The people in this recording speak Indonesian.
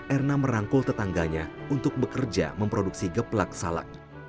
erna merangkul tetangganya untuk bekerja memproduksi geplak salak